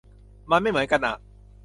มันไม่เหมือนกันอ่ะ